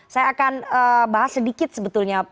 saya akan bahas sedikit sebetulnya